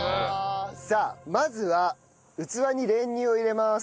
さあまずは器に練乳を入れます。